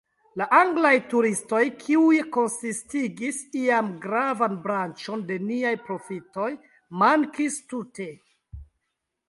La Anglaj turistoj, kiuj konsistigis iam gravan branĉon de niaj profitoj, mankis tute.